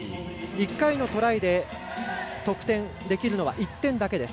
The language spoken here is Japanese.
１回のトライで得点できるのは１点だけです。